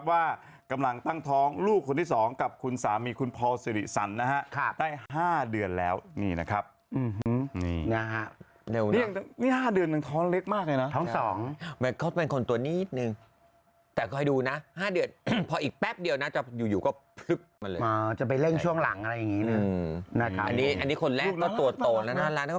ว่ากำลังตั้งท้องลูกคนที่สองกับคุณสามีคุณพอสิริสันนะฮะค่ะได้ห้าเดือนแล้วนี่นะครับอื้อฮึนี่นะฮะเร็วน่ะนี่ห้าเดือนหนึ่งท้องเล็กมากเลยน่ะท้องสองมันก็เป็นคนตัวนี้หนึ่งแต่คอยดูน่ะห้าเดือนพออีกแป๊บเดียวน่ะจะอยู่อยู่ก็มาเลยอ่าจะไปเร่งช่วงหลังอะไรอย่างงี้น่ะอืมนะครับ